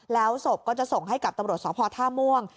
แล้วศพก็จะส่งให้กับตำรวจสพท่าม่วง